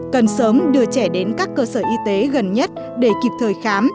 cần sớm đưa trẻ đến các cơ sở y tế gần nhất để kịp thời khám